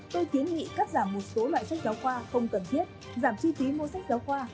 tôi kiến nghị cắt giảm một số loại sách giáo khoa không cần thiết giảm chi phí mua sách giáo khoa